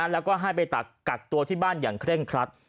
แล้วก็ให้ไปกักตัวที่บ้านอย่างเคร่งครัด